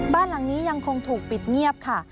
บ้านหลังนี้ยังคงถูกปิดเงียบค่ะ